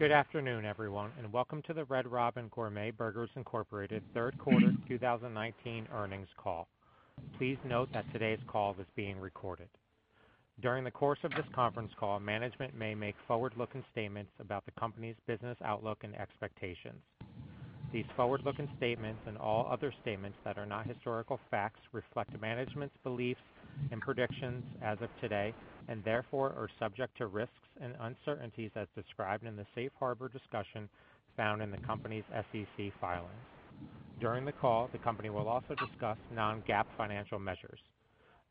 Good afternoon, everyone, and welcome to the Red Robin Gourmet Burgers, Inc. third quarter 2019 earnings call. Please note that today's call is being recorded. During the course of this conference call, management may make forward-looking statements about the company's business outlook and expectations. These forward-looking statements, and all other statements that are not historical facts, reflect management's beliefs and predictions as of today, and therefore are subject to risks and uncertainties as described in the safe harbor discussion found in the company's SEC filings. During the call, the company will also discuss non-GAAP financial measures.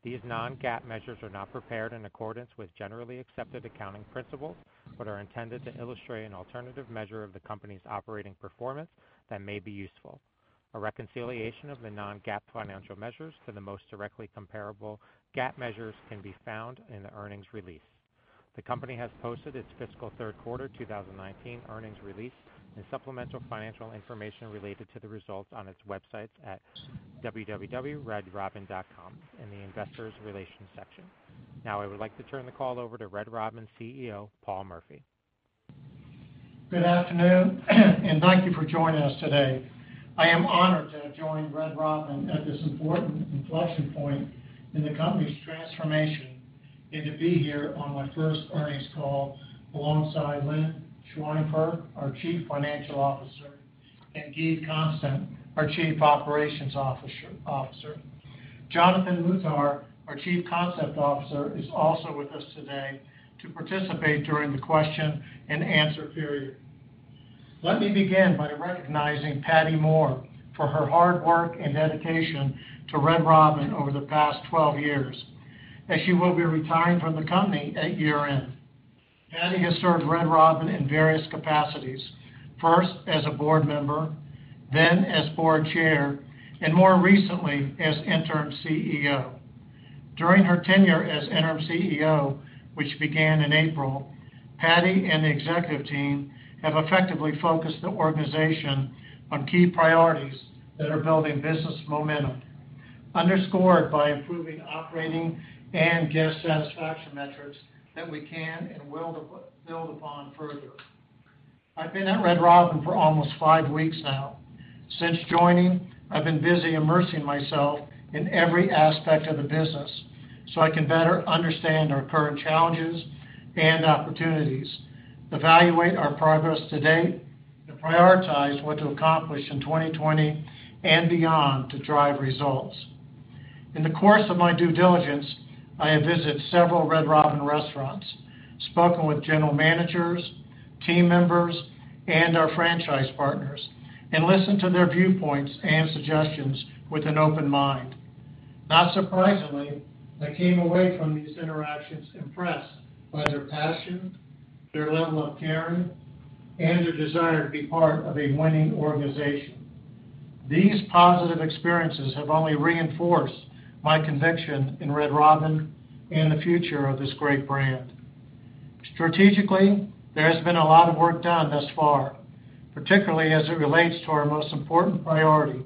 These non-GAAP measures are not prepared in accordance with generally accepted accounting principles but are intended to illustrate an alternative measure of the company's operating performance that may be useful. A reconciliation of the non-GAAP financial measures to the most directly comparable GAAP measures can be found in the earnings release. The company has posted its fiscal third quarter 2019 earnings release and supplemental financial information related to the results on its websites at www.redrobin.com in the investor relations section. Now I would like to turn the call over to Red Robin CEO, Paul Murphy. Good afternoon, and thank you for joining us today. I am honored to have joined Red Robin at this important inflection point in the company's transformation, and to be here on my first earnings call alongside Lynn Schweinfurth, our Chief Financial Officer, and Guy Constant, our Chief Operations Officer. Jonathan Muhtar, our Chief Concept Officer, is also with us today to participate during the question and answer period. Let me begin by recognizing Pattye Moore for her hard work and dedication to Red Robin over the past 12 years, as she will be retiring from the company at year-end. Patty has served Red Robin in various capacities. First as a board member, then as Board Chair, and more recently, as Interim CEO. During her tenure as interim CEO, which began in April, Pattye and the executive team have effectively focused the organization on key priorities that are building business momentum, underscored by improving operating and guest satisfaction metrics that we can and will build upon further. I've been at Red Robin for almost five weeks now. Since joining, I've been busy immersing myself in every aspect of the business so I can better understand our current challenges and opportunities, evaluate our progress to date, and prioritize what to accomplish in 2020 and beyond to drive results. In the course of my due diligence, I have visited several Red Robin restaurants, spoken with general managers, team members, and our franchise partners, and listened to their viewpoints and suggestions with an open mind. Not surprisingly, I came away from these interactions impressed by their passion, their level of caring, and their desire to be part of a winning organization. These positive experiences have only reinforced my conviction in Red Robin and the future of this great brand. Strategically, there has been a lot of work done thus far, particularly as it relates to our most important priority,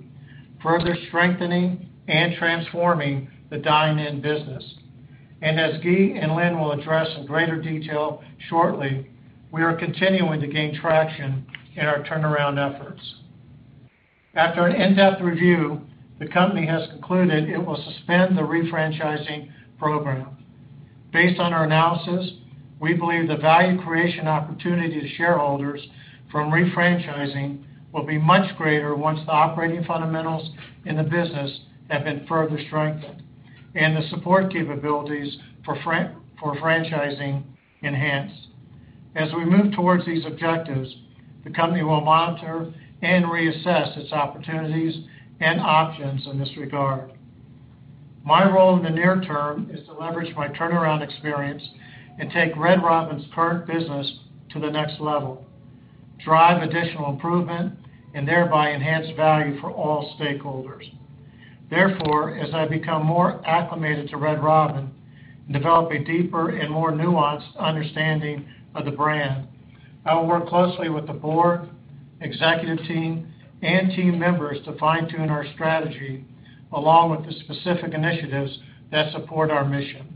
further strengthening and transforming the dine-in business. As Guy and Lynn will address in greater detail shortly, we are continuing to gain traction in our turnaround efforts. After an in-depth review, the company has concluded it will suspend the re-franchising program. Based on our analysis, we believe the value creation opportunity to shareholders from re-franchising will be much greater once the operating fundamentals in the business have been further strengthened, and the support capabilities for franchising enhanced. As we move towards these objectives, the company will monitor and reassess its opportunities and options in this regard. My role in the near term is to leverage my turnaround experience and take Red Robin's current business to the next level, drive additional improvement, and thereby enhance value for all stakeholders. Therefore, as I become more acclimated to Red Robin and develop a deeper and more nuanced understanding of the brand, I will work closely with the board, executive team, and team members to fine-tune our strategy, along with the specific initiatives that support our mission.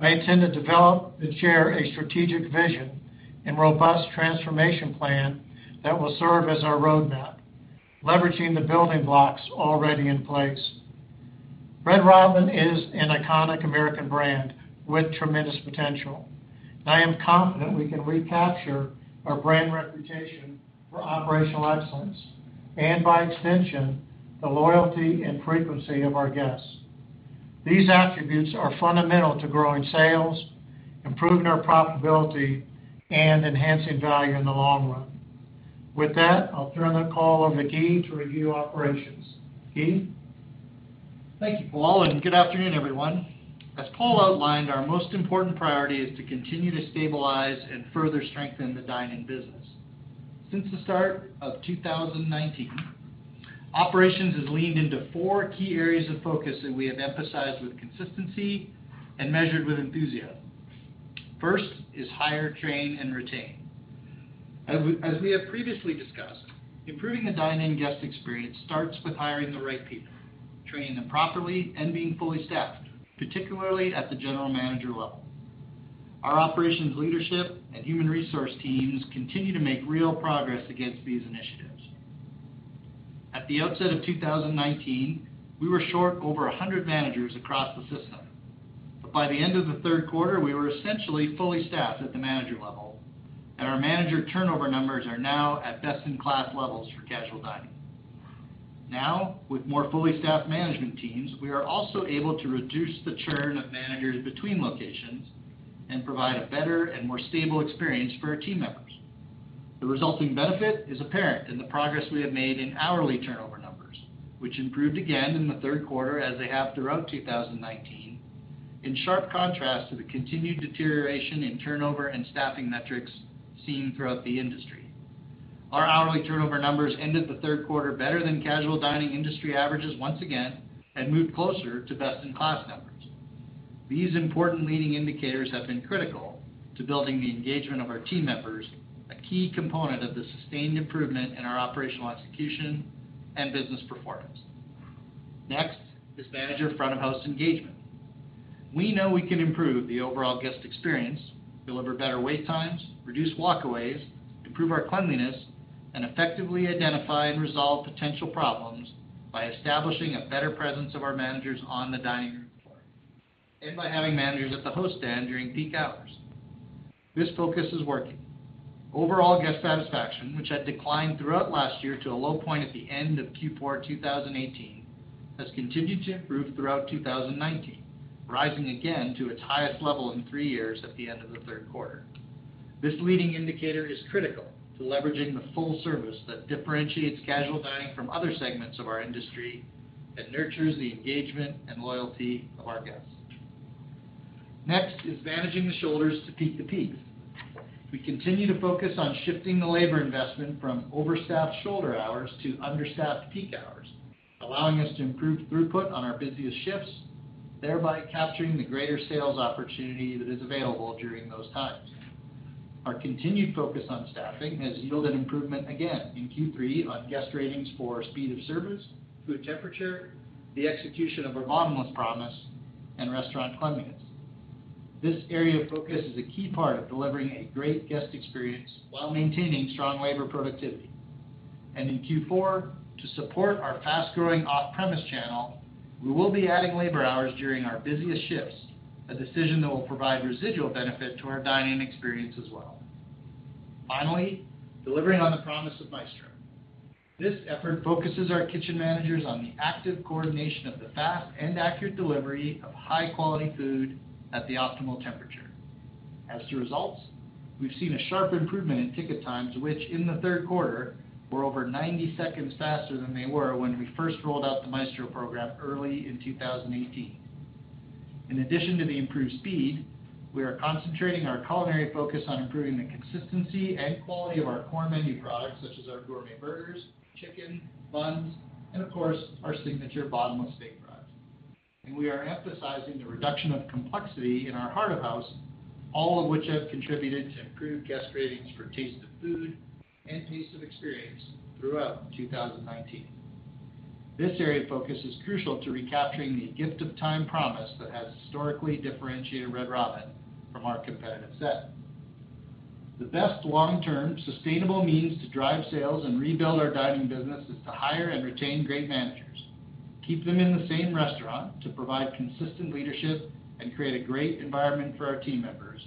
I intend to develop and share a strategic vision and robust transformation plan that will serve as our roadmap, leveraging the building blocks already in place. Red Robin is an iconic American brand with tremendous potential, and I am confident we can recapture our brand reputation for operational excellence and by extension, the loyalty and frequency of our guests. These attributes are fundamental to growing sales, improving our profitability, and enhancing value in the long run. With that, I'll turn the call over to Guy to review operations. Guy? Thank you, Paul. Good afternoon, everyone. As Paul outlined, our most important priority is to continue to stabilize and further strengthen the dine-in business. Since the start of 2019, operations has leaned into four key areas of focus that we have emphasized with consistency and measured with enthusiasm. First is hire, train, and retain. As we have previously discussed, improving the dine-in guest experience starts with hiring the right people, training them properly and being fully staffed, particularly at the general manager level. Our operations leadership and human resource teams continue to make real progress against these initiatives. At the outset of 2019, we were short over 100 managers across the system. By the end of the third quarter, we were essentially fully staffed at the manager level, and our manager turnover numbers are now at best-in-class levels for casual dining. Now, with more fully staffed management teams, we are also able to reduce the churn of managers between locations and provide a better and more stable experience for our team members. The resulting benefit is apparent in the progress we have made in hourly turnover numbers, which improved again in the third quarter as they have throughout 2019, in sharp contrast to the continued deterioration in turnover and staffing metrics seen throughout the industry. Our hourly turnover numbers ended the third quarter better than casual dining industry averages once again and moved closer to best-in-class numbers. These important leading indicators have been critical to building the engagement of our team members, a key component of the sustained improvement in our operational execution and business performance. Next is manager front-of-house engagement. We know we can improve the overall guest experience, deliver better wait times, reduce walkaways, improve our cleanliness, and effectively identify and resolve potential problems by establishing a better presence of our managers on the dining room floor and by having managers at the host stand during peak hours. This focus is working. Overall guest satisfaction, which had declined throughout last year to a low point at the end of Q4 2018, has continued to improve throughout 2019, rising again to its highest level in three years at the end of the third quarter. This leading indicator is critical to leveraging the full service that differentiates casual dining from other segments of our industry and nurtures the engagement and loyalty of our guests. Next is managing the shoulders to peak the peaks. We continue to focus on shifting the labor investment from overstaffed shoulder hours to understaffed peak hours, allowing us to improve throughput on our busiest shifts, thereby capturing the greater sales opportunity that is available during those times. Our continued focus on staffing has yielded improvement again in Q3 on guest ratings for speed of service, food temperature, the execution of our Bottomless Promise, and restaurant cleanliness. This area of focus is a key part of delivering a great guest experience while maintaining strong labor productivity. In Q4, to support our fast-growing off-premise channel, we will be adding labor hours during our busiest shifts, a decision that will provide residual benefit to our dine-in experience as well. Finally, delivering on the promise of Maestro. This effort focuses our kitchen managers on the active coordination of the fast and accurate delivery of high-quality food at the optimal temperature. As to results, we've seen a sharp improvement in ticket times, which in the third quarter, were over 90 seconds faster than they were when we first rolled out the Maestro program early in 2018. In addition to the improved speed, we are concentrating our culinary focus on improving the consistency and quality of our core menu products, such as our gourmet burgers, chicken, buns, and of course, our signature Bottomless Steak Fries. We are emphasizing the reduction of complexity in our heart of house, all of which have contributed to improved guest ratings for taste of food and taste of experience throughout 2019. This area of focus is crucial to recapturing the gift-of-time promise that has historically differentiated Red Robin from our competitive set. The best long-term sustainable means to drive sales and rebuild our dining business is to hire and retain great managers, keep them in the same restaurant to provide consistent leadership, and create a great environment for our team members.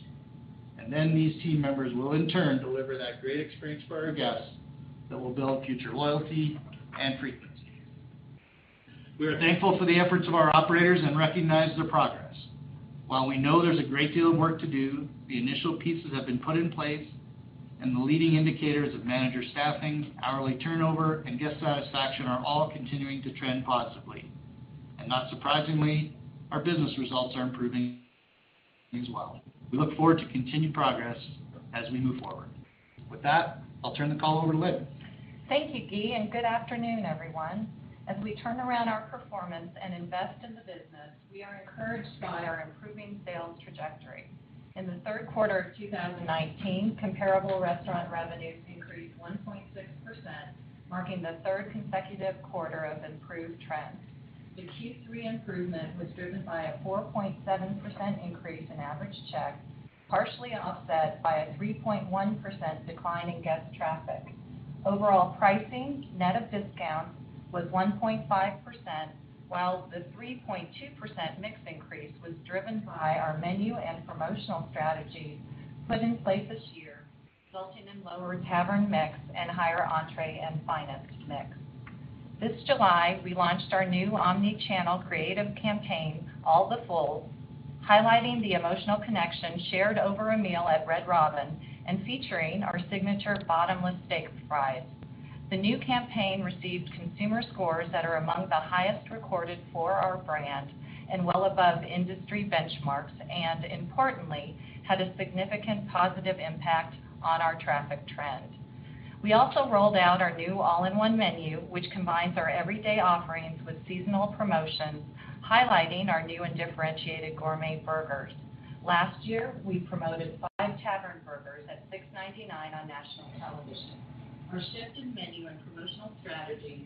These team members will, in turn, deliver that great experience for our guests that will build future loyalty and frequency. We are thankful for the efforts of our operators and recognize their progress. While we know there's a great deal of work to do, the initial pieces have been put in place, and the leading indicators of manager staffing, hourly turnover, and guest satisfaction are all continuing to trend positively. Not surprisingly, our business results are improving as well. We look forward to continued progress as we move forward. With that, I'll turn the call over to Lynn. Thank you, Guy, and good afternoon, everyone. As we turn around our performance and invest in the business, we are encouraged by our improving sales trajectory. In the third quarter of 2019, comparable restaurant revenues increased 1.6%, marking the third consecutive quarter of improved trends. The Q3 improvement was driven by a 4.7% increase in average check, partially offset by a 3.1% decline in guest traffic. Overall pricing, net of discounts, was 1.5%, while the 3.2% mix increase was driven by our menu and promotional strategies put in place this year, resulting in lower Tavern mix and higher entree and Finest mix. This July, we launched our new omni-channel creative campaign, All The Full, highlighting the emotional connection shared over a meal at Red Robin and featuring our signature Bottomless Steak Fries. The new campaign received consumer scores that are among the highest recorded for our brand and well above industry benchmarks and, importantly, had a significant positive impact on our traffic trend. We also rolled out our new all-in-one menu, which combines our everyday offerings with seasonal promotions, highlighting our new and differentiated gourmet burgers. Last year, we promoted five Tavern burgers at $6.99 on national television. Our shift in menu and promotional strategies,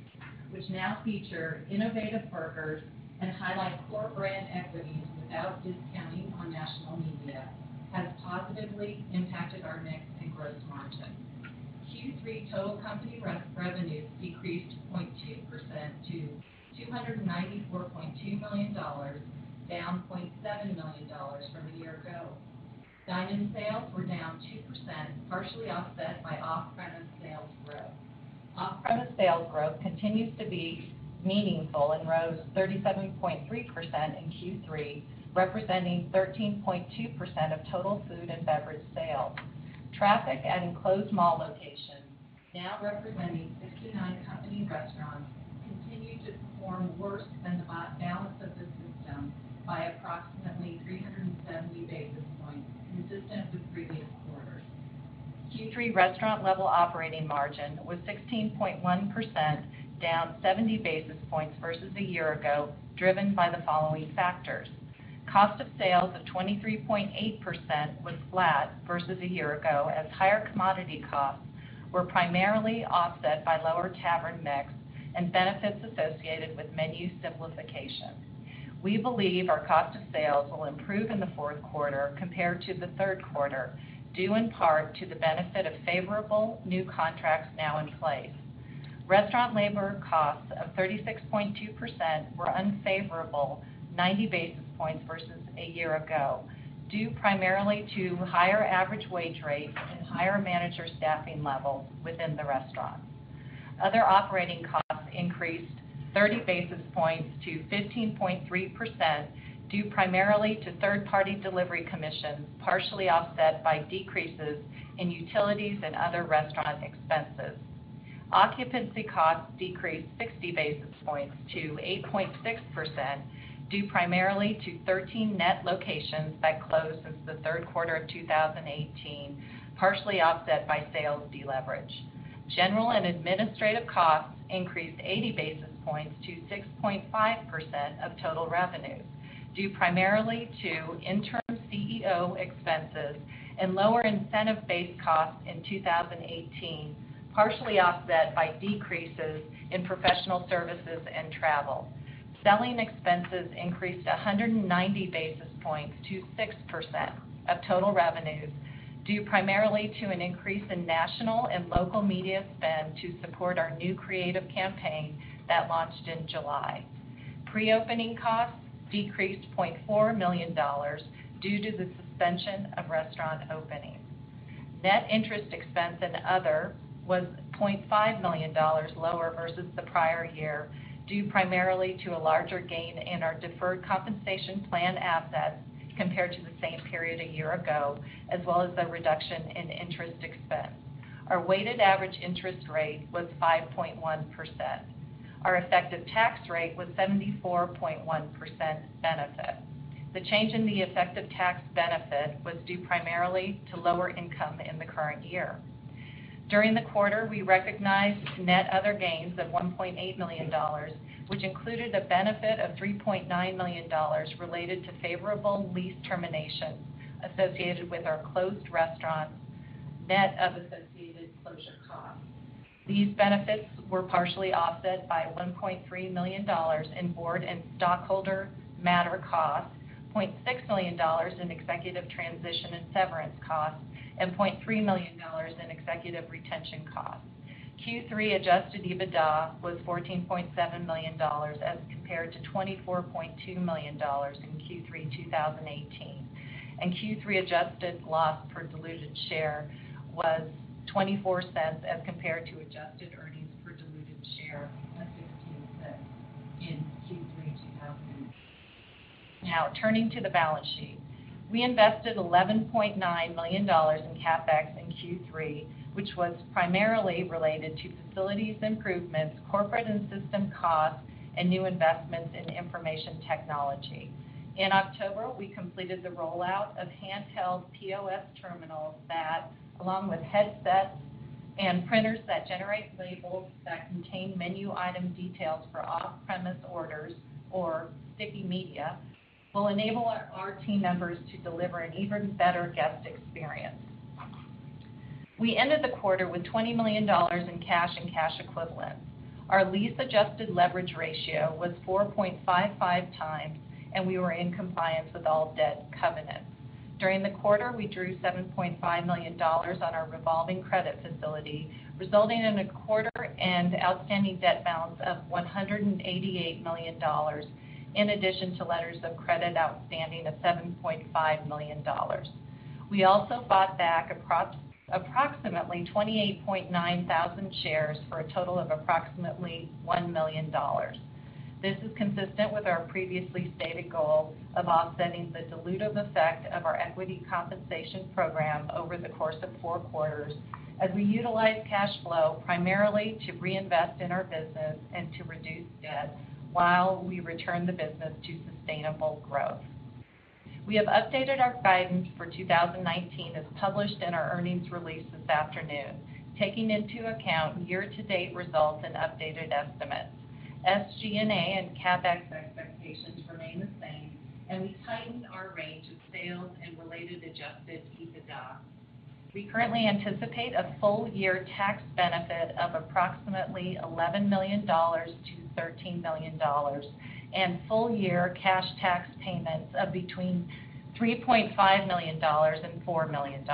which now feature innovative burgers and highlight core brand equities without discounting on national media, has positively impacted our mix and gross margin. Q3 total company revenues decreased 0.2% to $294.2 million, down $0.7 million from a year ago. Dine-in sales were down 2%, partially offset by off-premise sales growth. Off-premise sales growth continues to be meaningful and rose 37.3% in Q3, representing 13.2% of total food and beverage sales. Traffic at enclosed mall locations, now representing 59 company restaurants, continued to perform worse than the balance of the system by approximately 370 basis points, consistent with previous quarters. Q3 restaurant level operating margin was 16.1%, down 70 basis points versus a year ago, driven by the following factors. Cost of sales of 23.8% was flat versus a year ago, as higher commodity costs were primarily offset by lower Tavern mix and benefits associated with menu simplification. We believe our cost of sales will improve in the fourth quarter compared to the third quarter, due in part to the benefit of favorable new contracts now in place. Restaurant labor costs of 36.2% were unfavorable, 90 basis points versus a year ago, due primarily to higher average wage rates and higher manager staffing levels within the restaurants. Other operating costs increased 30 basis points to 15.3%, due primarily to third-party delivery commissions, partially offset by decreases in utilities and other restaurant expenses. Occupancy costs decreased 60 basis points to 8.6%, due primarily to 13 net locations that closed since the third quarter of 2018, partially offset by sales deleverage. General and administrative costs increased 80 basis points to 6.5% of total revenues, due primarily to interim CEO expenses and lower incentive-based costs in 2018, partially offset by decreases in professional services and travel. Selling expenses increased 190 basis points to 6% of total revenues, due primarily to an increase in national and local media spend to support our new creative campaign that launched in July. Pre-opening costs decreased $0.4 million due to the suspension of restaurant openings. Net interest expense and other was $0.5 million lower versus the prior year, due primarily to a larger gain in our deferred compensation plan assets compared to the same period a year ago, as well as the reduction in interest expense. Our weighted average interest rate was 5.1%. Our effective tax rate was 74.1% benefit. The change in the effective tax benefit was due primarily to lower income in the current year. During the quarter, we recognized net other gains of $1.8 million, which included a benefit of $3.9 million related to favorable lease terminations associated with our closed restaurants, net of associated closure costs. These benefits were partially offset by $1.3 million in board and stockholder matter costs, $0.6 million in executive transition and severance costs, and $0.3 million in executive retention costs. Q3 adjusted EBITDA was $14.7 million as compared to $24.2 million in Q3 2018. Q3 adjusted loss per diluted share was $0.24 as compared to adjusted earnings per diluted share of $0.15 in Q3 2018. Now, turning to the balance sheet. We invested $11.9 million in CapEx in Q3, which was primarily related to facilities improvements, corporate and system costs, and new investments in information technology. In October, we completed the rollout of handheld POS terminals that, along with headsets and printers that generate labels that contain menu item details for off-premise orders or sticky media, will enable our team members to deliver an even better guest experience. We ended the quarter with $20 million in cash and cash equivalents. Our lease-adjusted leverage ratio was 4.55 times, and we were in compliance with all debt covenants. During the quarter, we drew $7.5 million on our revolving credit facility, resulting in a quarter and outstanding debt balance of $188 million, in addition to letters of credit outstanding of $7.5 million. We also bought back approximately 28,900 shares for a total of approximately $1 million. This is consistent with our previously stated goal of offsetting the dilutive effect of our equity compensation program over the course of four quarters, as we utilize cash flow primarily to reinvest in our business and to reduce debt while we return the business to sustainable growth. We have updated our guidance for 2019 as published in our earnings release this afternoon, taking into account year-to-date results and updated estimates. SG&A and CapEx expectations remain the same, and we tightened our range of sales and related adjusted EBITDA. We currently anticipate a full-year tax benefit of approximately $11 million to $13 million. Full-year cash tax payments of between $3.5 million and $4 million.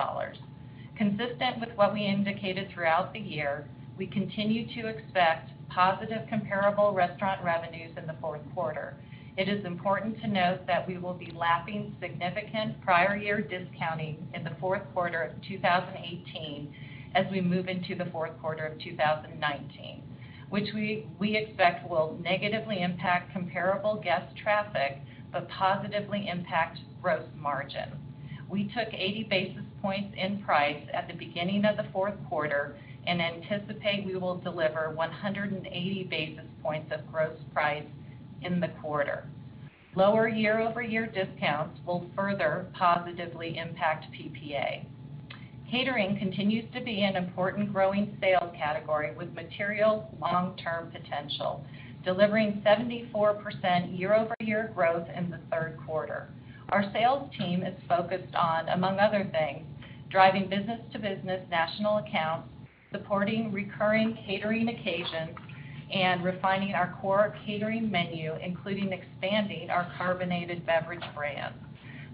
Consistent with what we indicated throughout the year, we continue to expect positive comparable restaurant revenues in the fourth quarter. It is important to note that we will be lapping significant prior year discounting in the fourth quarter of 2018 as we move into the fourth quarter of 2019, which we expect will negatively impact comparable guest traffic. Positively impact gross margin. We took 80 basis points in price at the beginning of the fourth quarter and anticipate we will deliver 180 basis points of gross price in the quarter. Lower year-over-year discounts will further positively impact PPA. Catering continues to be an important growing sales category with material long-term potential, delivering 74% year-over-year growth in the third quarter. Our sales team is focused on, among other things, driving business-to-business national accounts, supporting recurring catering occasions, and refining our core catering menu, including expanding our carbonated beverage brands.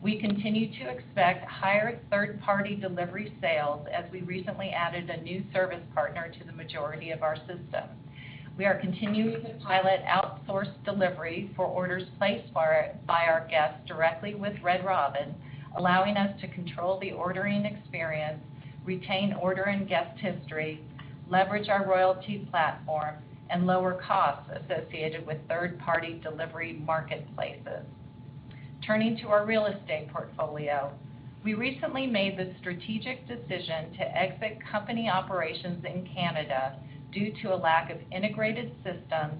We continue to expect higher third-party delivery sales as we recently added a new service partner to the majority of our system. We are continuing to pilot outsourced delivery for orders placed by our guests directly with Red Robin, allowing us to control the ordering experience, retain order and guest history, leverage our royalty platform, and lower costs associated with third-party delivery marketplaces. Turning to our real estate portfolio, we recently made the strategic decision to exit company operations in Canada due to a lack of integrated systems,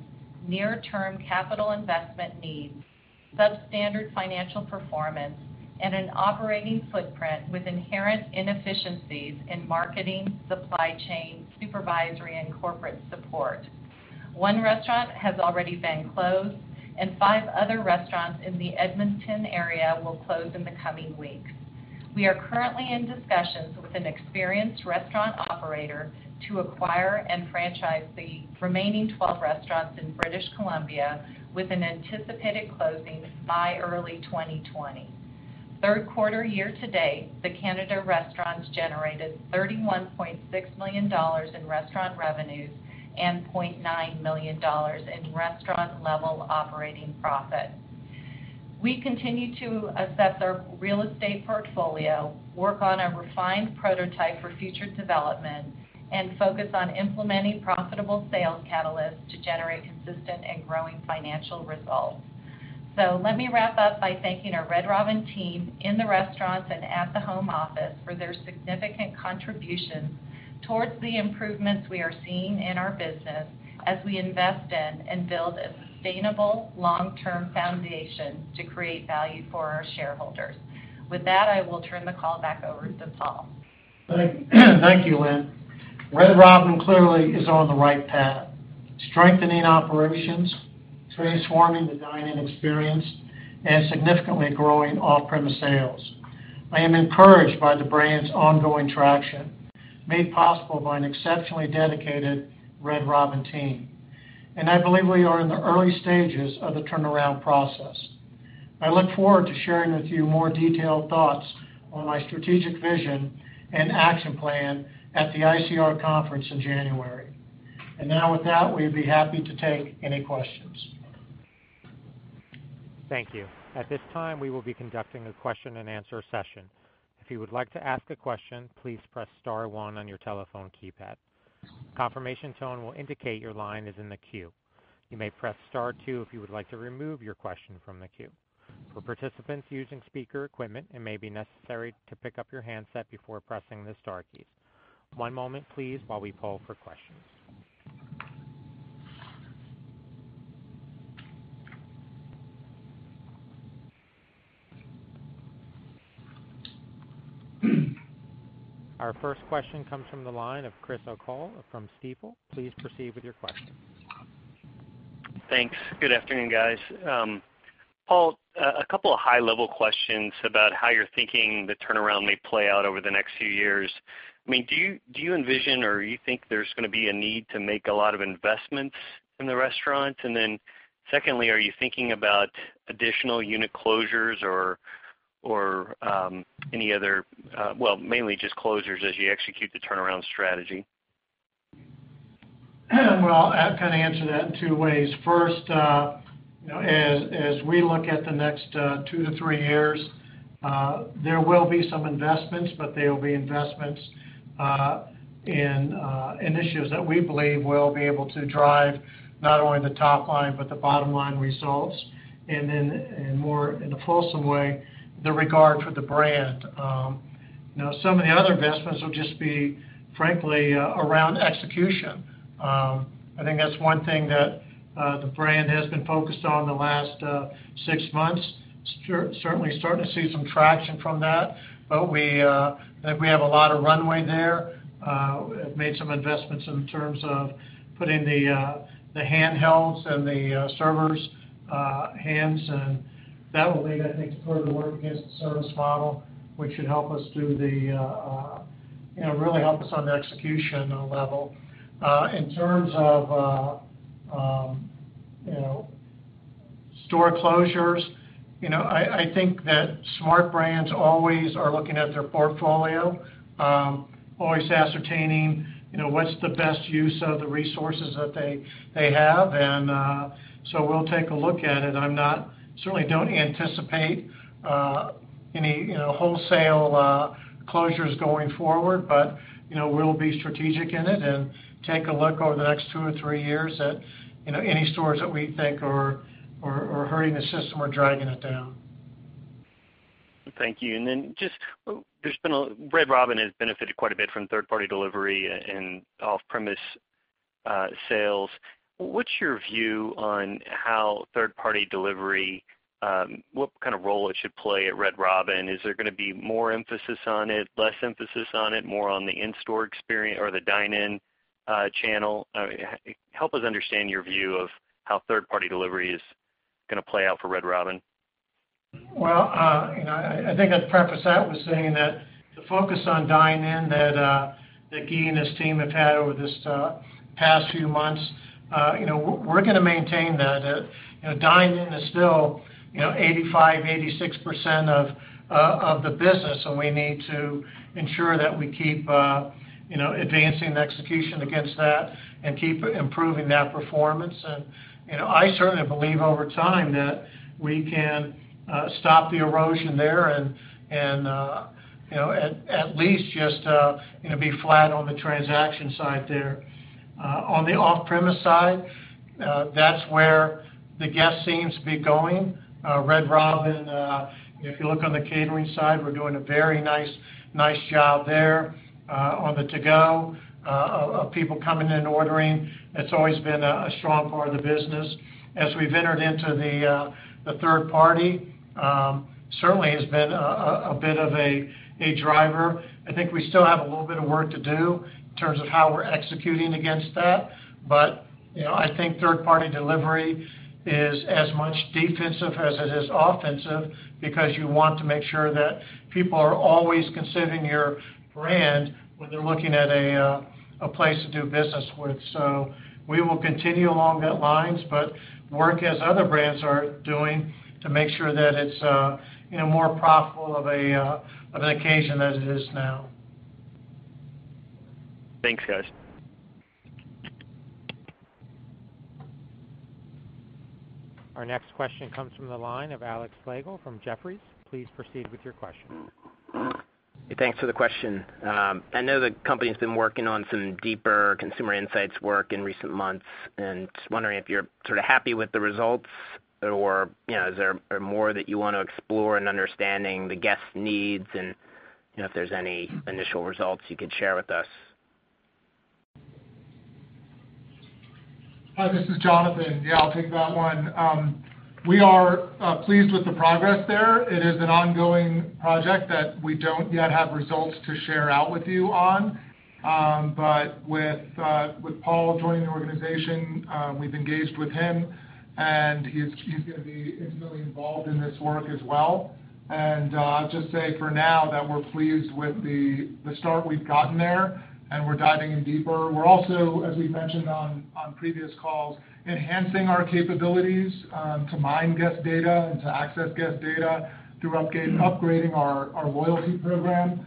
near-term capital investment needs, substandard financial performance, and an operating footprint with inherent inefficiencies in marketing, supply chain, supervisory, and corporate support. One restaurant has already been closed, and five other restaurants in the Edmonton area will close in the coming weeks. We are currently in discussions with an experienced restaurant operator to acquire and franchise the remaining 12 restaurants in British Columbia with an anticipated closing by early 2020. Third quarter year-to-date, the Canada restaurants generated $31.6 million in restaurant revenues and $0.9 million in restaurant-level operating profit. We continue to assess our real estate portfolio, work on a refined prototype for future development, and focus on implementing profitable sales catalysts to generate consistent and growing financial results. Let me wrap up by thanking our Red Robin team in the restaurants and at the home office for their significant contributions towards the improvements we are seeing in our business as we invest in and build a sustainable long-term foundation to create value for our shareholders. With that, I will turn the call back over to Paul. Thank you, Lynn. Red Robin clearly is on the right path, strengthening operations, transforming the dine-in experience, and significantly growing off-premise sales. I am encouraged by the brand's ongoing traction, made possible by an exceptionally dedicated Red Robin team, and I believe we are in the early stages of the turnaround process. I look forward to sharing with you more detailed thoughts on my strategic vision and action plan at the ICR conference in January. Now with that, we'd be happy to take any questions. Thank you. At this time, we will be conducting a question and answer session. If you would like to ask a question, please press star one on your telephone keypad. Confirmation tone will indicate your line is in the queue. You may press star two if you would like to remove your question from the queue. For participants using speaker equipment, it may be necessary to pick up your handset before pressing the star keys. One moment, please, while we poll for questions. Our first question comes from the line of Chris O'Cull from Stifel. Please proceed with your question. Thanks. Good afternoon, guys. Paul, a couple of high-level questions about how you're thinking the turnaround may play out over the next few years. Do you envision or you think there's going to be a need to make a lot of investments in the restaurant? Secondly, are you thinking about additional unit closures or any other, well, mainly just closures as you execute the turnaround strategy? I kind of answer that in two ways. First, as we look at the next two to three years, there will be some investments, but they will be investments in initiatives that we believe will be able to drive not only the top line but the bottom-line results, and then in a fulsome way, the regard for the brand. Some of the other investments will just be, frankly, around execution. I think that's one thing that the brand has been focused on the last six months. Certainly starting to see some traction from that. We have a lot of runway there. Have made some investments in terms of putting the handhelds in the servers' hands, and that will lead, I think, to further work against the service model, which should really help us on the execution level. In terms of store closures, I think that smart brands always are looking at their portfolio, always ascertaining what's the best use of the resources that they have. We'll take a look at it. I certainly don't anticipate any wholesale closures going forward. We'll be strategic in it and take a look over the next two or three years at any stores that we think are hurting the system or dragging it down. Thank you. Red Robin has benefited quite a bit from third-party delivery and off-premise sales. What's your view on how third-party delivery, what kind of role it should play at Red Robin? Is there going to be more emphasis on it, less emphasis on it, more on the in-store experience or the dine-in channel? Help us understand your view of how third-party delivery is going to play out for Red Robin. Well, I think I'd preface that with saying that the focus on dine-in that Guy and his team have had over this past few months, we're going to maintain that. Dine-in is still 85%, 86% of the business. We need to ensure that we keep advancing the execution against that and keep improving that performance. I certainly believe over time that we can stop the erosion there and at least just be flat on the transaction side there. On the off-premise side, that's where the guest seems to be going. Red Robin, if you look on the catering side, we're doing a very nice job there. On the to-go, of people coming in and ordering, that's always been a strong part of the business. As we've entered into the third party, certainly has been a bit of a driver. I think we still have a little bit of work to do in terms of how we're executing against that. I think third-party delivery is as much defensive as it is offensive because you want to make sure that people are always considering your brand when they're looking at a place to do business with. We will continue along the lines, but work as other brands are doing to make sure that it's more profitable of an occasion as it is now. Thanks, guys. Our next question comes from the line of Alex Slagle from Jefferies. Please proceed with your question. Thanks for the question. I know the company's been working on some deeper consumer insights work in recent months, and just wondering if you're sort of happy with the results or is there more that you want to explore in understanding the guest needs, and if there's any initial results you could share with us? Hi, this is Jonathan. Yeah, I'll take that one. We are pleased with the progress there. It is an ongoing project that we don't yet have results to share out with you on. With Paul joining the organization, we've engaged with him, and he's going to be intimately involved in this work as well. I'll just say for now that we're pleased with the start we've gotten there, and we're diving in deeper. We're also, as we've mentioned on previous calls, enhancing our capabilities to mine guest data and to access guest data through upgrading our loyalty program.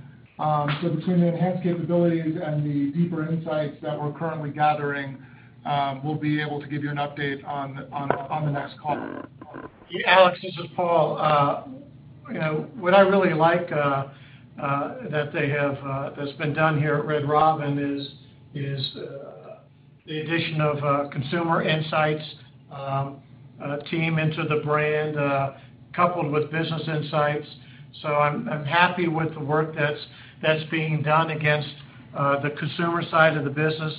Between the enhanced capabilities and the deeper insights that we're currently gathering, we'll be able to give you an update on the next call. Alex, this is Paul. What I really like that's been done here at Red Robin is the addition of a consumer insights team into the brand, coupled with business insights. I'm happy with the work that's being done against the consumer side of the business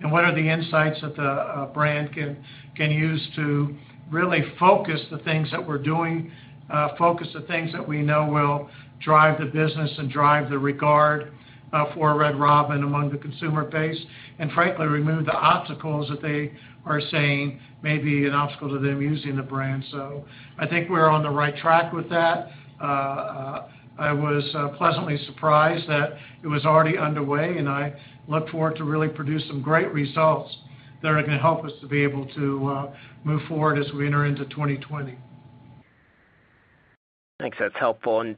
and what are the insights that the brand can use to really focus the things that we're doing, focus the things that we know will drive the business and drive the regard for Red Robin among the consumer base, and frankly, remove the obstacles that they are saying may be an obstacle to them using the brand. I think we're on the right track with that. I was pleasantly surprised that it was already underway, and I look forward to really produce some great results that are going to help us to be able to move forward as we enter into 2020. Thanks. That's helpful. On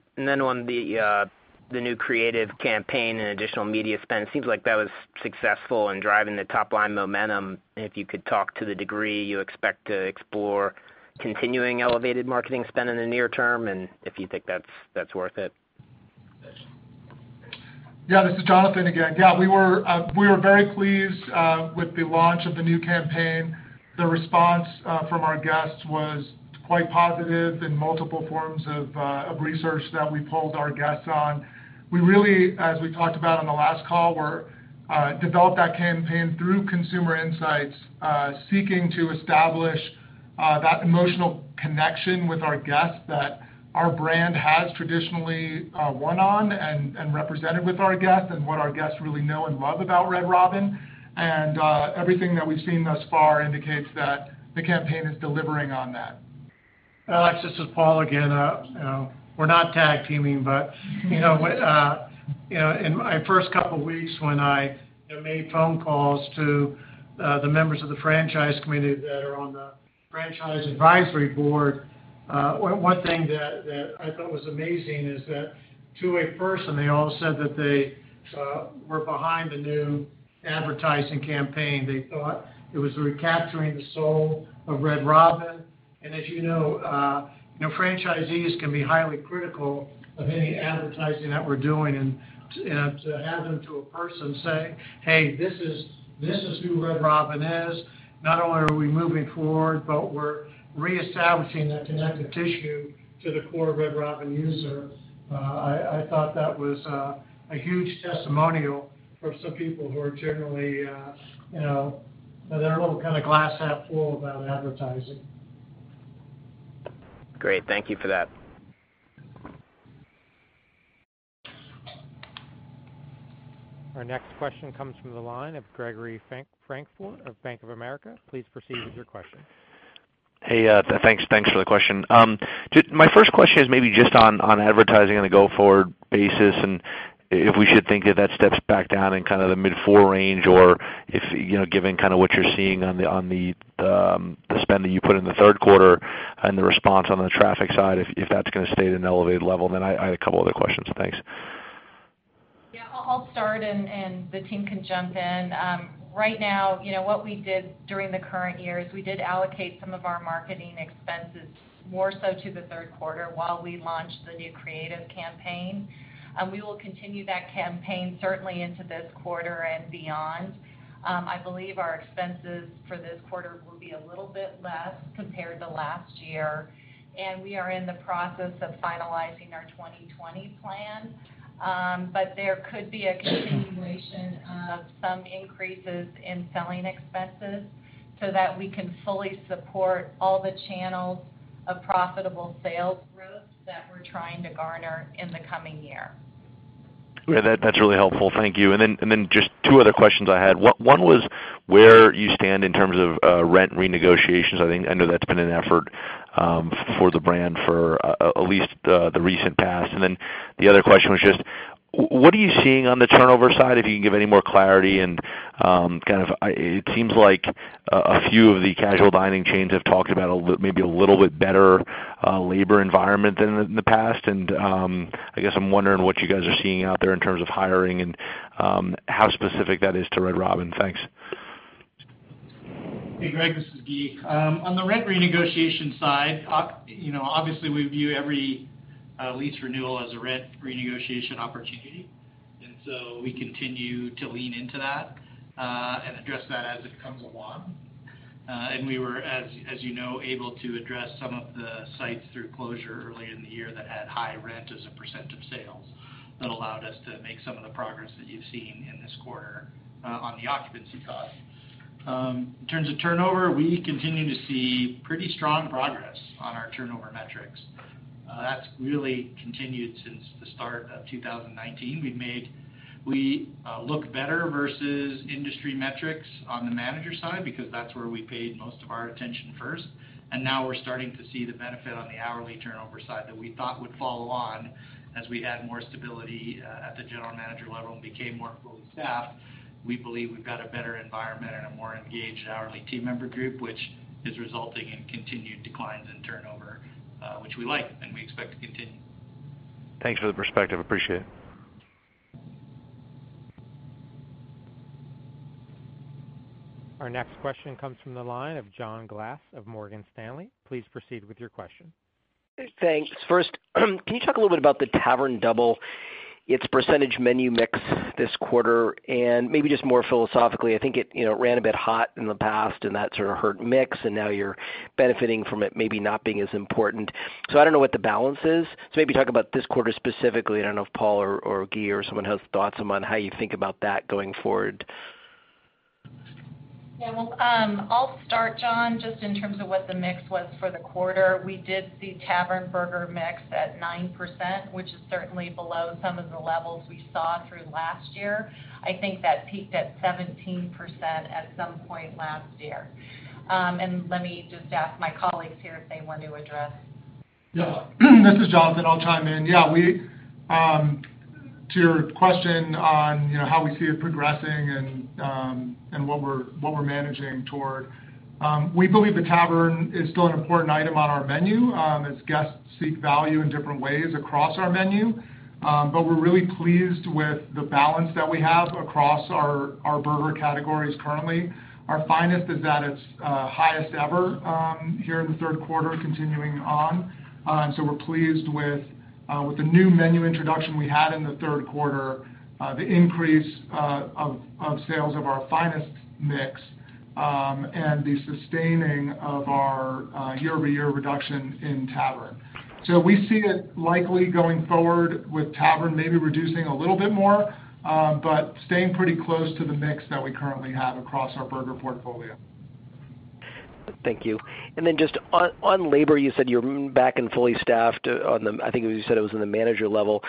the new creative campaign and additional media spend, seems like that was successful in driving the top-line momentum. If you could talk to the degree you expect to explore continuing elevated marketing spend in the near term, and if you think that's worth it. Yeah, this is Jonathan again. Yeah, we were very pleased with the launch of the new campaign. The response from our guests was quite positive in multiple forms of research that we polled our guests on. We really, as we talked about on the last call, developed that campaign through consumer insights, seeking to establish that emotional connection with our guests that our brand has traditionally won on and represented with our guests, and what our guests really know and love about Red Robin. Everything that we've seen thus far indicates that the campaign is delivering on that. Alex, this is Paul again. We're not tag teaming, but in my first couple of weeks when I made phone calls to the members of the franchise community that are on the franchise advisory board, one thing that I thought was amazing is that to a person, they all said that they were behind the new advertising campaign. They thought it was recapturing the soul of Red Robin. As you know, franchisees can be highly critical of any advertising that we're doing, and to have them to a person say, "Hey, this is who Red Robin is." Not only are we moving forward, but we're reestablishing that connective tissue to the core Red Robin user. I thought that was a huge testimonial from some people who are generally a little glass half full about advertising. Great. Thank you for that. Our next question comes from the line of Gregory Francfort of Bank of America. Please proceed with your question. Hey, thanks for the question. My first question is maybe just on advertising on a go-forward basis, and if we should think that that steps back down in kind of the mid-four range, or if, given what you're seeing on the spend that you put in the third quarter and the response on the traffic side, if that's going to stay at an elevated level. I had a couple other questions. Thanks. Yeah, I'll start and the team can jump in. Right now, what we did during the current year is we did allocate some of our marketing expenses more so to the third quarter while we launched the new creative campaign. We will continue that campaign certainly into this quarter and beyond. I believe our expenses for this quarter will be a little bit less compared to last year, and we are in the process of finalizing our 2020 plan. There could be a continuation of some increases in selling expenses so that we can fully support all the channels of profitable sales growth that we're trying to garner in the coming year. Yeah, that's really helpful. Thank you. Just two other questions I had. One was where you stand in terms of rent renegotiations. I know that's been an effort for the brand for at least the recent past. The other question was just what are you seeing on the turnover side? If you can give any more clarity and it seems like a few of the casual dining chains have talked about maybe a little bit better labor environment than in the past, and I guess I'm wondering what you guys are seeing out there in terms of hiring and how specific that is to Red Robin. Thanks. Hey, Gregory, this is Guy. On the rent renegotiation side, obviously we view every lease renewal as a rent renegotiation opportunity. We continue to lean into that and address that as it comes along. We were, as you know, able to address some of the sites through closure early in the year that had high rent as a % of sales. That allowed us to make some of the progress that you've seen in this quarter on the occupancy cost. In terms of turnover, we continue to see pretty strong progress on our turnover metrics. That's really continued since the start of 2019. We look better versus industry metrics on the manager side because that's where we paid most of our attention first, and now we're starting to see the benefit on the hourly turnover side that we thought would follow on as we had more stability at the general manager level and became more fully staffed. We believe we've got a better environment and a more engaged hourly team member group, which is resulting in continued declines in turnover, which we like and we expect to continue. Thanks for the perspective. Appreciate it. Our next question comes from the line of John Glass of Morgan Stanley. Please proceed with your question. Thanks. First, can you talk a little bit about the Tavern Double, its percentage menu mix this quarter, and maybe just more philosophically, I think it ran a bit hot in the past, and that sort of hurt mix, and now you're benefiting from it maybe not being as important. I don't know what the balance is. Maybe talk about this quarter specifically. I don't know if Paul or Guy or someone has thoughts on how you think about that going forward. Yeah. Well, I'll start, John, just in terms of what the mix was for the quarter. We did see Tavern burger mix at 9%, which is certainly below some of the levels we saw through last year. I think that peaked at 17% at some point last year. Let me just ask my colleagues here if they want to address. This is Jonathan. I'll chime in. To your question on how we see it progressing and what we're managing toward, we believe the Tavern is still an important item on our menu as guests seek value in different ways across our menu. We're really pleased with the balance that we have across our burger categories currently. Our Finest is at its highest ever here in the third quarter, continuing on. We're pleased with the new menu introduction we had in the third quarter, the increase of sales of our Finest mix The sustaining of our year-over-year reduction in Tavern. We see it likely going forward with Tavern maybe reducing a little bit more, but staying pretty close to the mix that we currently have across our burger portfolio. Thank you. Just on labor, you said you're back and fully staffed on the, I think you said it was in the manager level.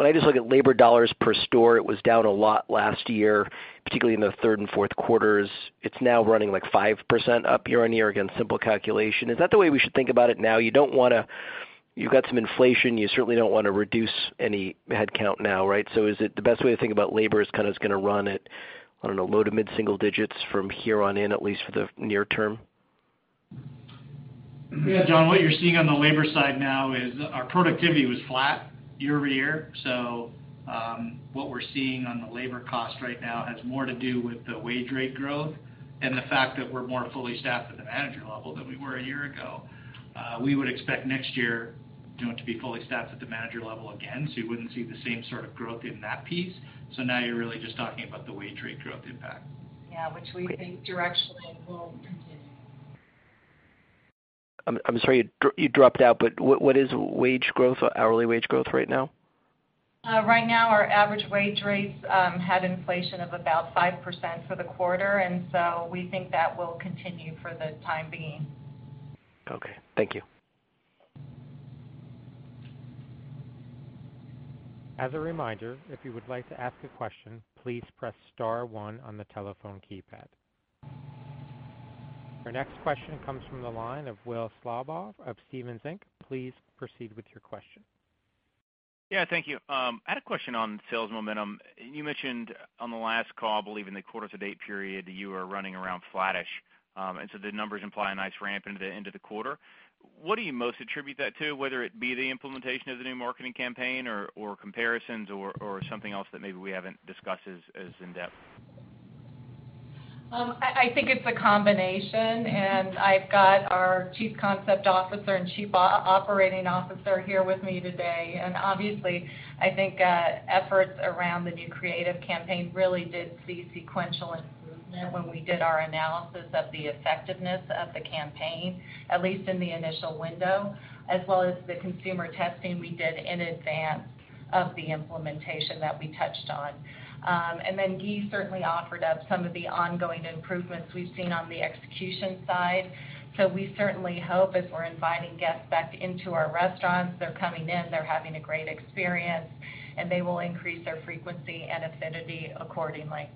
I just look at labor dollars per store, it was down a lot last year, particularly in the third and fourth quarters. It's now running like 5% up year-over-year, again, simple calculation. Is that the way we should think about it now? You've got some inflation, you certainly don't want to reduce any headcount now, right? Is it the best way to think about labor is kind of it's going to run at, I don't know, low to mid-single digits from here on in, at least for the near term? John, what you're seeing on the labor side now is our productivity was flat year-over-year. What we're seeing on the labor cost right now has more to do with the wage rate growth and the fact that we're more fully staffed at the manager level than we were a year ago. We would expect next year to be fully staffed at the manager level again, so you wouldn't see the same sort of growth in that piece. Now you're really just talking about the wage rate growth impact. Yeah, which we think directionally will continue. I'm sorry, you dropped out, but what is wage growth, hourly wage growth right now? Right now our average wage rates had inflation of about 5% for the quarter, and so we think that will continue for the time being. Okay. Thank you. As a reminder, if you would like to ask a question, please press star one on the telephone keypad. Our next question comes from the line of Will Slabaugh of Stephens Inc. Please proceed with your question. Yeah, thank you. I had a question on sales momentum. You mentioned on the last call, I believe, in the quarter to date period, you were running around flattish. The numbers imply a nice ramp into the end of the quarter. What do you most attribute that to, whether it be the implementation of the new marketing campaign or comparisons or something else that maybe we haven't discussed as in-depth? I think it's a combination. I've got our Chief Concept Officer and Chief Operations Officer here with me today. Obviously, I think efforts around the new All The Full creative campaign really did see sequential improvement when we did our analysis of the effectiveness of the campaign, at least in the initial window, as well as the consumer testing we did in advance of the implementation that we touched on. Guy certainly offered up some of the ongoing improvements we've seen on the execution side. We certainly hope as we're inviting guests back into our restaurants, they're coming in, they're having a great experience, and they will increase their frequency and affinity accordingly.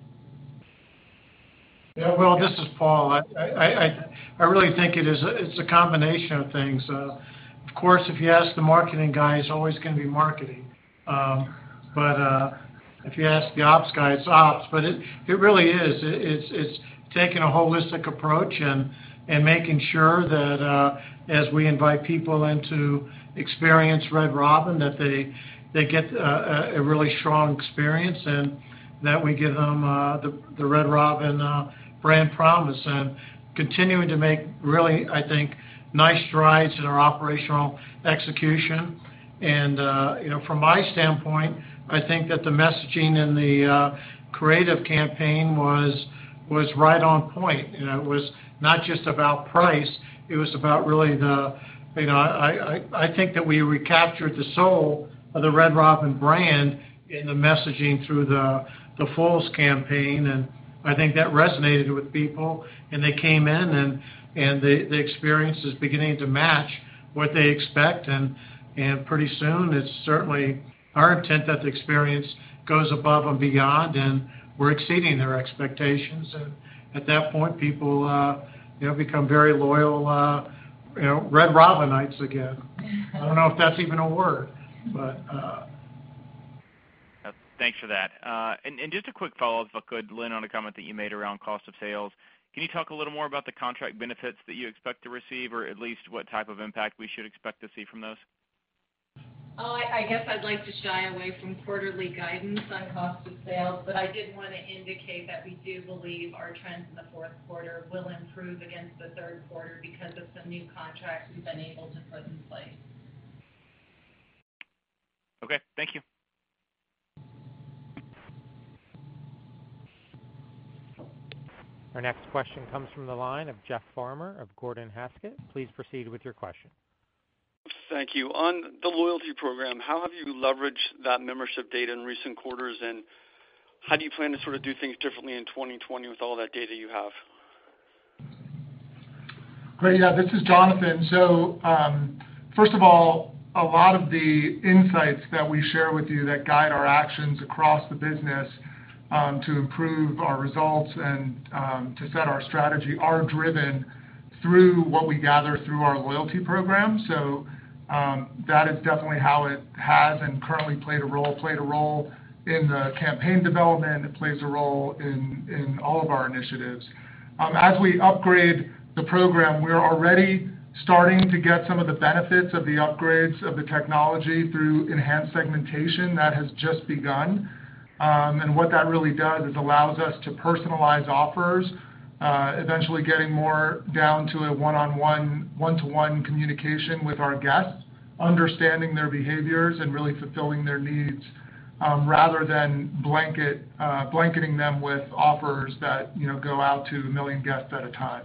Yeah, Will, this is Paul. I really think it's a combination of things. Of course, if you ask the marketing guy, it's always going to be marketing. If you ask the ops guy, it's ops. It really is. It's taking a holistic approach and making sure that as we invite people in to experience Red Robin, that they get a really strong experience and that we give them the Red Robin brand promise and continuing to make really, I think, nice strides in our operational execution. From my standpoint, I think that the messaging and the creative campaign was right on point, and it was not just about price. I think that we recaptured the soul of the Red Robin brand in the messaging through the All the Fulls campaign, I think that resonated with people, They came in, The experience is beginning to match what they expect, Pretty soon it's certainly our intent that the experience goes above and beyond, We're exceeding their expectations. At that point, people become very loyal Red Robin-ites again. I don't know if that's even a word. Thanks for that. Just a quick follow-up, if I could, Lynn, on a comment that you made around cost of sales. Can you talk a little more about the contract benefits that you expect to receive or at least what type of impact we should expect to see from those? I guess I'd like to shy away from quarterly guidance on cost of sales, but I did want to indicate that we do believe our trends in the fourth quarter will improve against the third quarter because of some new contracts we've been able to put in place. Okay, thank you. Our next question comes from the line of Jeff Farmer of Gordon Haskett. Please proceed with your question. Thank you. On the loyalty program, how have you leveraged that membership data in recent quarters, and how do you plan to sort of do things differently in 2020 with all that data you have? Great. Yeah, this is Jonathan. First of all, a lot of the insights that we share with you that guide our actions across the business to improve our results and to set our strategy are driven through what we gather through our loyalty program. That is definitely how it has and currently played a role in the campaign development. It plays a role in all of our initiatives. As we upgrade the program, we're already starting to get some of the benefits of the upgrades of the technology through enhanced segmentation that has just begun. What that really does is allows us to personalize offers, eventually getting more down to a one-to-one communication with our guests Understanding their behaviors and really fulfilling their needs, rather than blanketing them with offers that go out to 1 million guests at a time.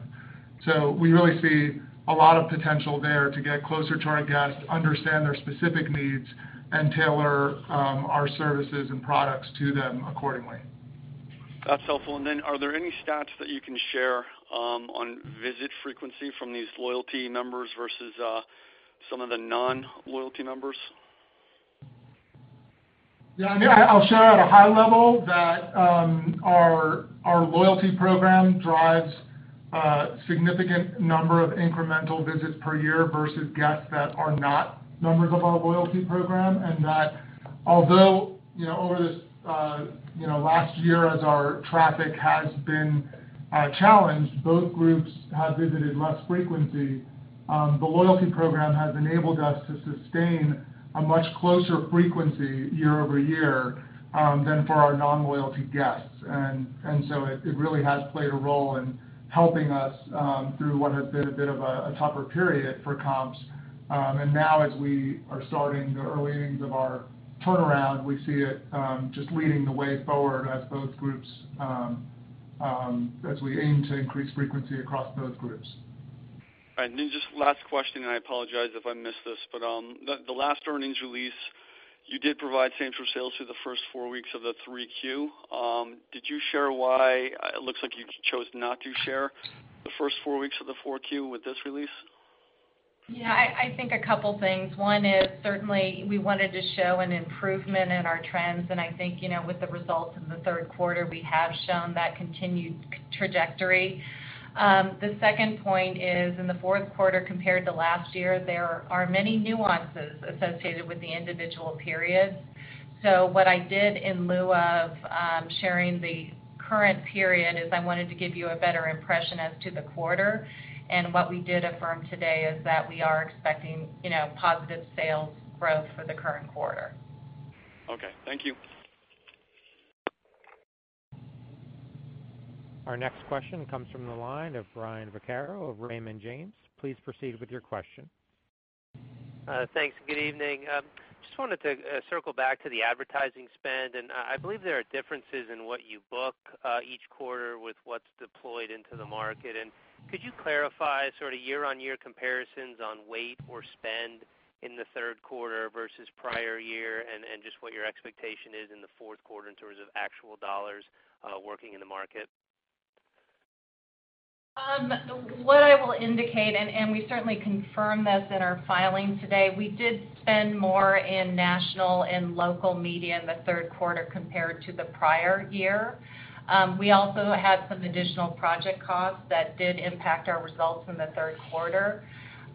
We really see a lot of potential there to get closer to our guests, understand their specific needs, and tailor our services and products to them accordingly. That's helpful. Are there any stats that you can share on visit frequency from these loyalty members versus some of the non-loyalty members? Yeah, I mean, I'll share at a high level that our loyalty program drives a significant number of incremental visits per year versus guests that are not members of our loyalty program. That although over this last year as our traffic has been challenged, both groups have visited less frequency. The loyalty program has enabled us to sustain a much closer frequency year-over-year than for our non-loyalty guests. It really has played a role in helping us through what has been a bit of a tougher period for comps. Now as we are starting the early innings of our turnaround, we see it just leading the way forward as both groups, as we aim to increase frequency across both groups. Just last question, and I apologize if I missed this, but the last earnings release, you did provide same-store sales for the first four weeks of the 3Q. Did you share why it looks like you chose not to share the first four weeks of the 4Q with this release? Yeah, I think a couple things. One is certainly we wanted to show an improvement in our trends. I think, with the results in the third quarter, we have shown that continued trajectory. The second point is, in the fourth quarter compared to last year, there are many nuances associated with the individual periods. What I did in lieu of sharing the current period is I wanted to give you a better impression as to the quarter. What we did affirm today is that we are expecting positive sales growth for the current quarter. Okay. Thank you. Our next question comes from the line of Brian Vaccaro of Raymond James. Please proceed with your question. Thanks. Good evening. Just wanted to circle back to the advertising spend. I believe there are differences in what you book each quarter with what's deployed into the market. Could you clarify sort of year-over-year comparisons on weight or spend in the third quarter versus prior year and just what your expectation is in the fourth quarter in terms of actual dollars working in the market? What I will indicate, and we certainly confirm this in our filing today, we did spend more in national and local media in the third quarter compared to the prior year. We also had some additional project costs that did impact our results in the third quarter.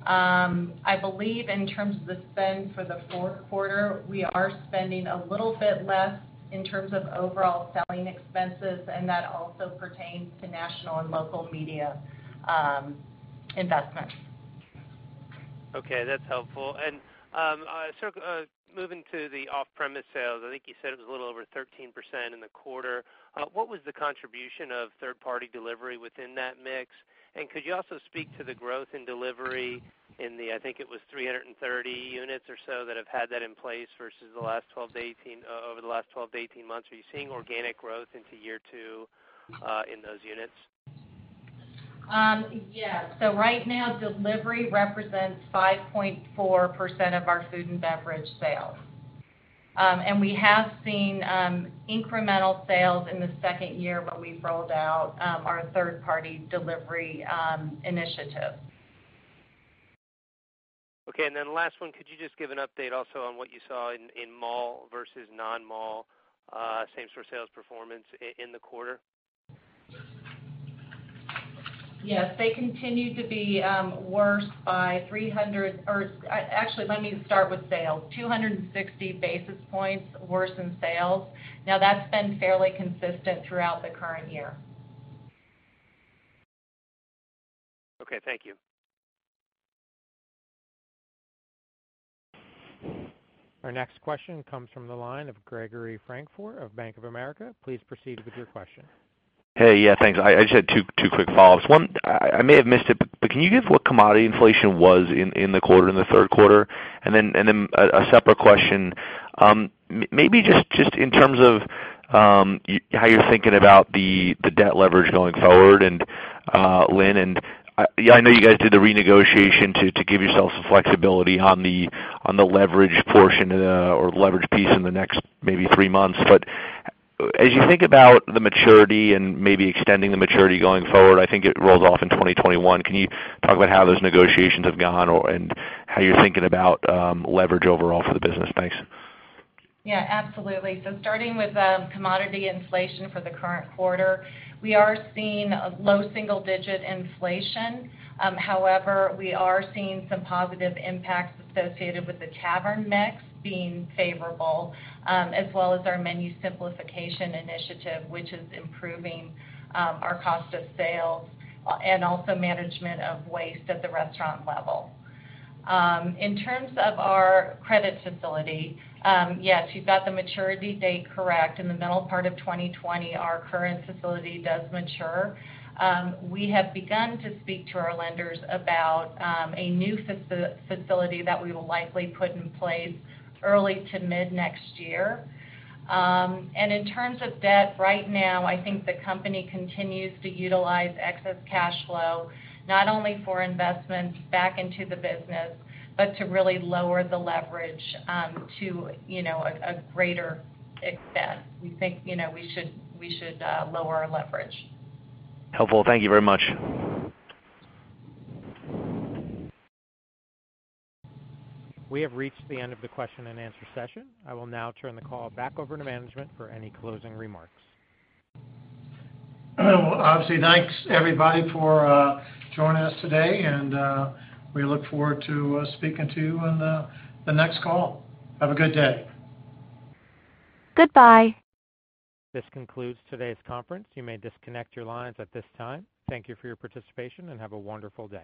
I believe in terms of the spend for the fourth quarter, we are spending a little bit less in terms of overall selling expenses, and that also pertains to national and local media investments. Okay. That's helpful. Moving to the off-premise sales, I think you said it was a little over 13% in the quarter. What was the contribution of third-party delivery within that mix? Could you also speak to the growth in delivery in the, I think it was 330 units or so that have had that in place versus over the last 12-18 months. Are you seeing organic growth into year 2 in those units? Yes. Right now, delivery represents 5.4% of our food and beverage sales. We have seen incremental sales in the second year when we've rolled out our third-party delivery initiative. Okay, last one, could you just give an update also on what you saw in mall versus non-mall same-store sales performance in the quarter? Yes. They continued to be worse by 300 or actually, let me start with sales, 260 basis points worse in sales. Now, that's been fairly consistent throughout the current year. Okay, thank you. Our next question comes from the line of Gregory Francfort of Bank of America. Please proceed with your question. Hey. Yeah, thanks. I just had two quick follow-ups. One, I may have missed it, but can you give what commodity inflation was in the quarter, in the third quarter? A separate question, maybe just in terms of how you're thinking about the debt leverage going forward, and Lynn, I know you guys did the renegotiation to give yourself some flexibility on the leverage piece in the next maybe three months. As you think about the maturity and maybe extending the maturity going forward, I think it rolls off in 2021. Can you talk about how those negotiations have gone and how you're thinking about leverage overall for the business? Thanks. Yeah, absolutely. Starting with commodity inflation for the current quarter, we are seeing a low single-digit inflation. However, we are seeing some positive impacts associated with the Tavern mix being favorable, as well as our menu simplification initiative, which is improving our cost of sales and also management of waste at the restaurant level. In terms of our credit facility, yes, you've got the maturity date correct. In the middle part of 2020, our current facility does mature. We have begun to speak to our lenders about a new facility that we will likely put in place early to mid next year. In terms of debt right now, I think the company continues to utilize excess cash flow, not only for investments back into the business but to really lower the leverage to a greater extent. We think we should lower our leverage. Helpful. Thank you very much. We have reached the end of the question and answer session. I will now turn the call back over to management for any closing remarks. Well, obviously, thanks everybody for joining us today and we look forward to speaking to you on the next call. Have a good day. Goodbye. This concludes today's conference. You may disconnect your lines at this time. Thank you for your participation and have a wonderful day.